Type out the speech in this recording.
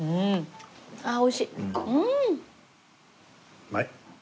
うまい。